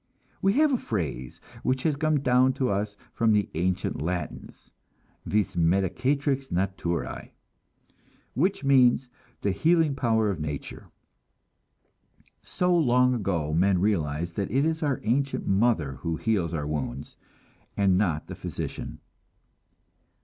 We have a phrase which has come down to us from the ancient Latins, "vis medicatrix naturae," which means the healing power of nature. So long ago men realized that it is our ancient mother who heals our wounds, and not the physician.